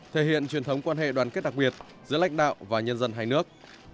thể hiện truyền thống quan hệ đoàn kết đặc biệt giữa lãnh đạo và nhân dân hai nước